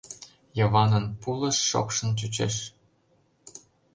Йыванын пулыш шокшын чучеш...